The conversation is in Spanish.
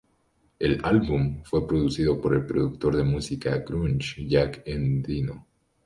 El álbum fue producido por el productor de música grunge Jack Endino.